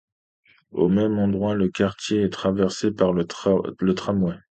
Au même endroit, le quartier est traversé par le tramway.